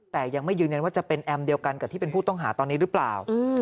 แต่ยังไม่ยืนยันว่าจะเป็นแอมเดียวกันกับที่เป็นผู้ต้องหาตอนนี้หรือเปล่า